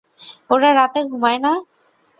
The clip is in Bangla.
ওরা রাতে ঘুমায় না।